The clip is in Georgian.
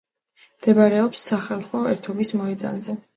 მდებარეობს სახალხო ერთობის მოედანზე.